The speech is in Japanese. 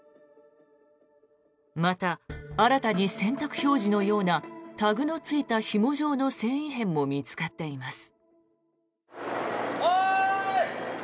また、新たに洗濯表示のようなタグのついたひも状の繊維片も見つかっています。